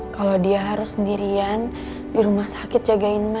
kalau dia harus sendirian di rumah sakit jagain